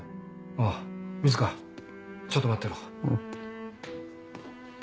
あぁ水かちょっと待ってろ。